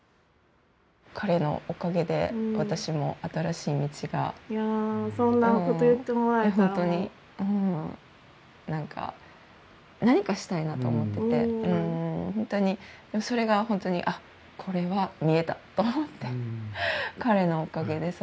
彼のおかげで私も新しい道がいやそんなこと言ってもらえたらホントに何か何かしたいなと思っててそれがホントにこれは見えたと思って彼のおかげです